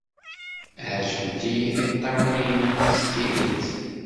Ɛejbent-iyi tiṭṭawin-nnem s tidet.